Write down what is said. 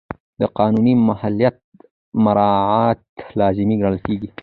د قانوني مهلت مراعات لازمي ګڼل کېږي.